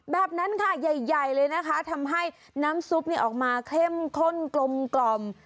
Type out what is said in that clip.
แบบนั้นค่ะใหญ่เลยนะคะทำให้น้ำซุปออกมาเข้มข้นกลม